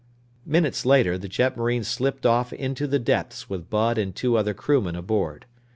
Minutes later, the jetmarine slipped off into the depths with Bud and two other crewmen aboard.